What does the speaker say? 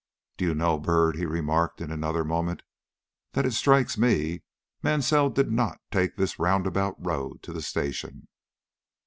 "Do you know, Byrd," he remarked in another moment, "that it strikes me Mansell did not take this roundabout road to the station?"